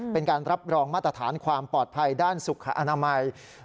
เป็นการรับรองมาตรฐานความปลอดภัยด้านสุขอนามัย